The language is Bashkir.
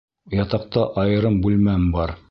Ятаҡта айырым бүлмәм бар.